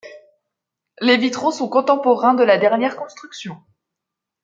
Les vitraux sont contemporains de la dernière construction.